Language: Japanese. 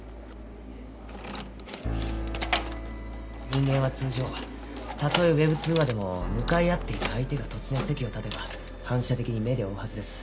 人間は通常たとえＷｅｂ通話でも向かい合っていた相手が突然席を立てば反射的に目で追うはずです。